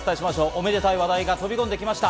おめでたい話題が飛び込んできました。